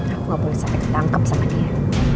aku gak boleh sampai ketangkep sama dia